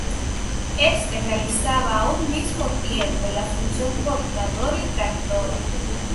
Este realizaba a un mismo tiempo la función portadora y tractora.